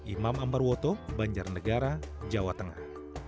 imam ambarwoto banjarnegara jawa tengah